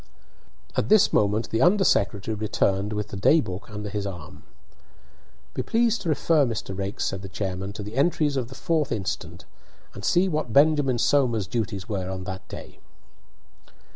At this moment the under secretary returned with the day book under his arm. "Be pleased to refer, Mr. Raikes," said the chairman, "to the entries of the 4th instant, and see what Benjamin Somers's duties were on that day."